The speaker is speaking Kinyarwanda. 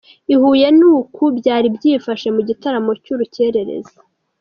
I Huye ni uku byari byifashe mu gitaramo cy'Urukerereza.